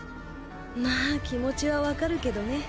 まあ気持ちはわかるけどね。